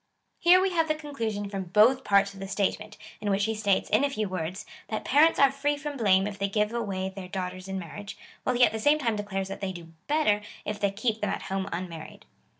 Here we have the conclusion from both parts of the statement, in which he states, in a few words, that parents are free from blame if they give away their daughters in marriage, while he at the same time declares that they do better if they keep them at home unmarried.